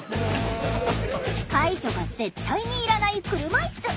介助が絶対にいらない車いす。